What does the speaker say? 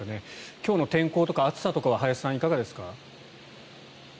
今日の天候とか暑さとかはいかがですか？